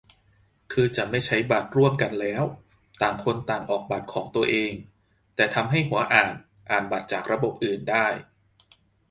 คือจะไม่ใช้บัตรร่วมกันแล้ว ต่างคนต่างออกบัตรของตัวเอง แต่ทำให้หัวอ่านอ่านบัตรจากระบบอื่นได้